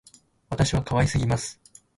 私は可愛すぎます